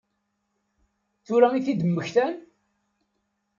Tura i t-id-mmektan?